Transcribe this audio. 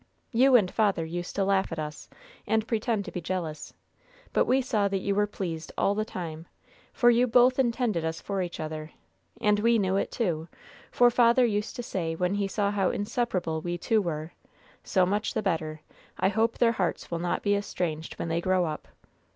You and father used to laugh at us and pretend to be jealous; but we saw that you were pleased all the time; for you both intended us for each other, and we knew it, too, for father used to say when he saw how inseparable we two were: 'So much the better; I hope their hearts will not be estranged when they grow up!'